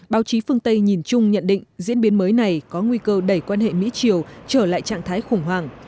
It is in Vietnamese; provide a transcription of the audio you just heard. báo chí phương tây nhìn chung nhận định diễn biến mới này có nguy cơ đẩy quan hệ mỹ triều trở lại trạng thái khủng hoảng